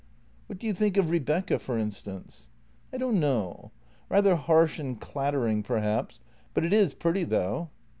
" What do you think of Rebecca, for instance? "" I don't know. Rather harsh and clattering, perhaps, but it is pretty, though."